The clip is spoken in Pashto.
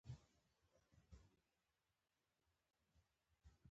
دا څو ورځې کېږي چې د قطر کیسه ډېره ګرمه ده.